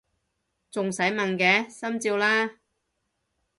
仲使問嘅！心照啦！